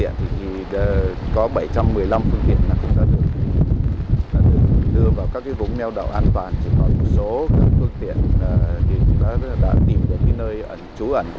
chỉ có một số phương tiện đã tìm được nơi ẩn trú ẩn